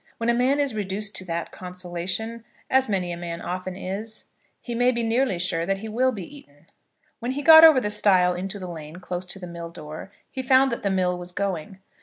When a man is reduced to that consolation, as many a man often is, he may be nearly sure that he will be eaten. When he got over the stile into the lane close to the mill door, he found that the mill was going.